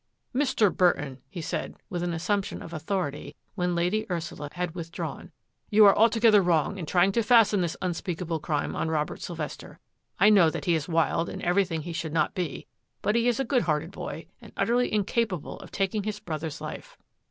" Mr. Burton," he said, with an assumption of authority, when Lady Ursula had withdrawn, " you are altogether wrong in trying to fasten this un speakable crime on Robert Sylvester. I know that he is wild and everything he should not be, but he is a good hearted boy and utterly incapable of taking his brother's life."